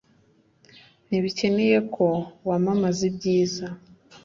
Ntibikenewe ko wamamaza ibyiza.